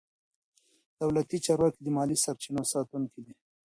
دولتي چارواکي د مالي سرچینو ساتونکي دي.